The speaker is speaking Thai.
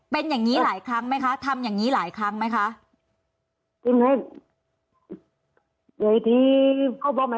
เป็นอย่างนี้หลายครั้งไหมคะทำอย่างนี้หลายครั้งไหมคะ